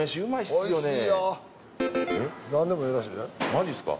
マジっすか？